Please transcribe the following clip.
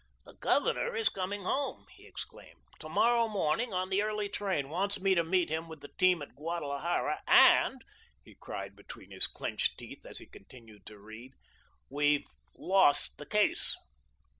"The Governor is coming home," he exclaimed, "to morrow morning on the early train; wants me to meet him with the team at Guadalajara; AND," he cried between his clenched teeth, as he continued to read, "we've lost the case."